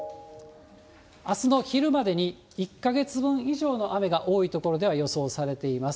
あすの昼までに１か月分以上の雨が多い所では予想されています。